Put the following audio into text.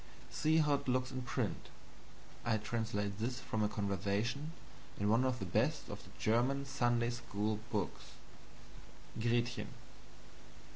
See how it looks in print I translate this from a conversation in one of the best of the German Sunday school books: "Gretchen.